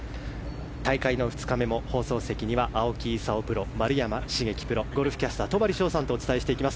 大会の２日目も放送席には青木功プロ丸山茂樹プロゴルフキャスター、戸張捷さんとお伝えしていきます。